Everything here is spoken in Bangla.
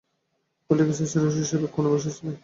পলিটিক্যাল সায়েন্সের রশিদ সাহেব এক কোণায় বসেছিলেন।